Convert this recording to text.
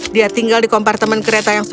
dia tinggal di komparasi dengan orang lain